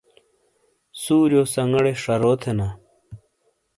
سُوریو سنگاڑے شَرو تھینا۔